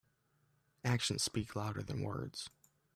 Actions speak louder than words.